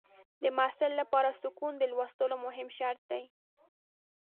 د محصل لپاره سکون د لوستلو مهم شرط دی.